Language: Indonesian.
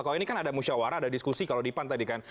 kalau ini kan ada musyawarah ada diskusi kalau di pan tadi kan